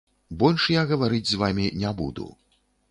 Больш я гаварыць з вамі не буду.